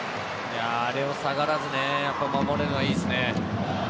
あれを下がらず守れるのはいいですね。